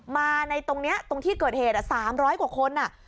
มาในตรงเนี้ยตรงที่เกิดเหตุสามร้อยกว่าคนอ่ะ